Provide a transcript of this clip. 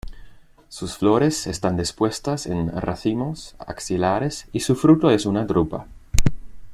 Sus flores están dispuestas en racimos axilares y su fruto es una drupa.